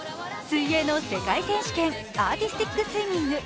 水泳の世界選手権、アーティスティックスイミング。